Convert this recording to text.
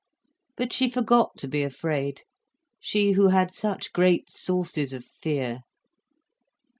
But she forgot to be afraid, she who had such great sources of fear.